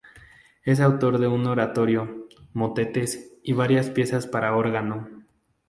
Es autor de un oratorio, motetes y varias piezas para órgano.